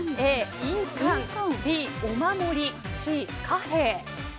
Ａ、印鑑Ｂ、お守りＣ、貨幣。